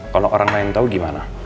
kalau orang lain tahu gimana